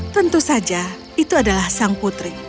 tentu saja itu adalah sang putri